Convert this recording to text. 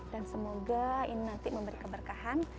dan semoga ini nanti memberi keberkahan